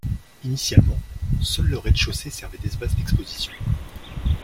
Initialement, seul le rez-de-chaussée servait d'espace d'exposition.